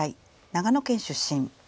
長野県出身。